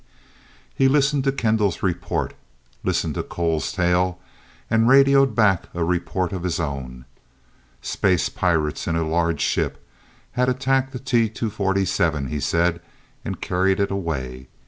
He listened to Kendall's report, listened to Cole's tale and radioed back a report of his own. Space pirates in a large ship had attacked the T 247, he said, and carried it away.